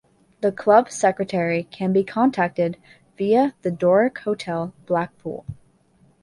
The Club secretary can be contacted via the Doric Hotel, Blackpool.